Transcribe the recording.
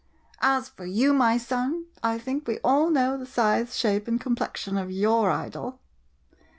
As for you, my son, I think we all know the size, shape, and complexion of your idol.